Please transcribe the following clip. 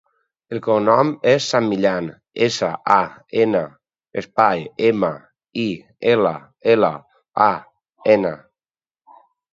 El cognom és San Millan: essa, a, ena, espai, ema, i, ela, ela, a, ena.